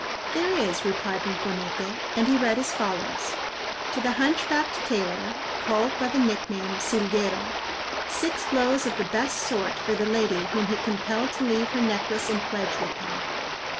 "There is," replied Rinconete, and he read as follows:— "To the hunch backed Tailor, called by the nick name Silguero, six blows of the best sort for the lady whom he compelled to leave her necklace in pledge with him.